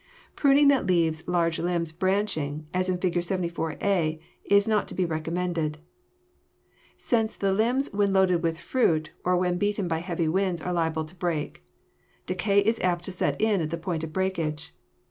Pruning that leaves large limbs branching, as in Fig. 74, a, is not to be recommended, since the limbs when loaded with fruit or when beaten by heavy winds are liable to break. Decay is apt to set in at the point of breakage.